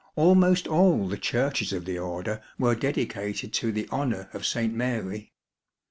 Almost all the Churches of the Order were dedicated to the honour of St. Mary.